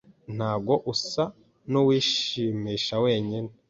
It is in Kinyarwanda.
Ntabwo usa nkuwishimisha wenyine.